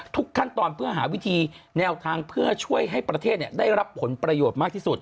ทุกขั้นตอนเพื่อหาวิธีแนวทางเพื่อช่วยให้ประเทศได้รับผลประโยชน์มากที่สุด